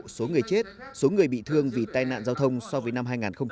số người chết số người bị thương vì tai nạn giao thông so với năm hai nghìn một mươi tám